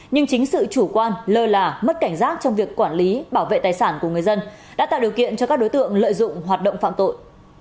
nhưng chính sự chủ quan lơ là mất cảnh giác trong việc quản lý bảo vệ tài sản của người dân đã tạo điều kiện cho các đối tượng lợi dụng hoạt động phạm tội